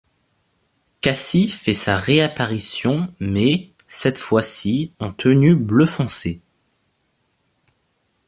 Cassie fait sa réapparition mais cette fois-ci en tenue bleu foncé.